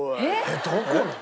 えっどこの？